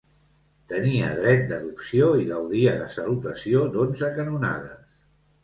Tenia dret d'adopció i gaudia de salutació d'onze canonades.